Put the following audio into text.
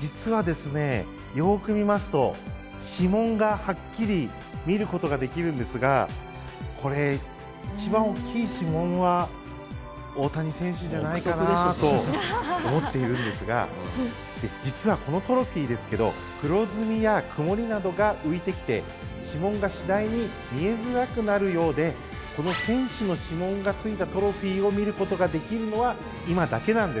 実はですね、よく見ますと指紋がはっきり見ることができるんですがこれ、一番大きい指紋は大谷選手じゃないかなと思っているんですが実はこのトロフィーですけど黒ずみや曇りなどが浮いてきて指紋が次第に見えづらくなるようでこの選手の指紋がついたトロフィーを見ることができるのは今だけなんです。